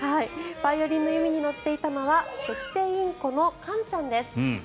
バイオリンの弓に乗っていたのセキセイインコのカンちゃんです。